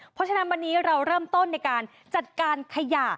เพราะฉะนั้นวันนี้เราเริ่มต้นในการจัดการขยะ